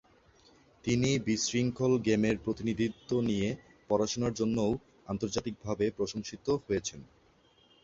তিনি ‘বিশৃঙ্খল গেমের প্রতিনিধিত্ব’ নিয়ে পড়াশুনার জন্যও আন্তর্জাতিকভাবে প্রশংসিত হয়েছেন।